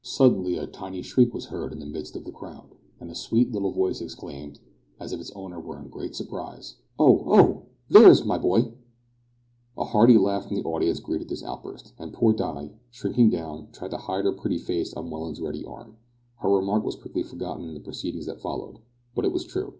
Suddenly a tiny shriek was heard in the midst of the crowd, and a sweet little voice exclaimed, as if its owner were in great surprise "Oh! oh! there is my boy!" A hearty laugh from the audience greeted this outburst, and poor Di, shrinking down, tried to hide her pretty face on Welland's ready arm. Her remark was quickly forgotten in the proceedings that followed but it was true.